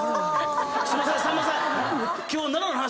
すいませんさんまさん。